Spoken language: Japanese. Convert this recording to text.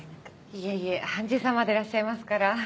いえいえ判事様でいらっしゃいますから。